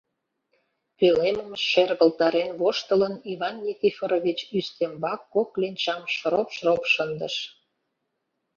Пӧлемым шергылтарен воштылын, Иван Никифорович ӱстембак кок кленчам шроп-шроп шындыш.